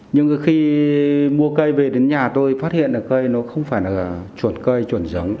nhưng khi mua cây về đến nhà tôi phát hiện là cây nó không phải là chuẩn cây chuẩn giống